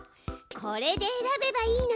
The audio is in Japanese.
これで選べばいいのよ。